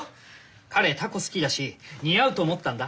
彼タコ好きだし似合うと思ったんだ。